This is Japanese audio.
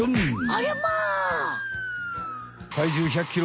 ありゃま！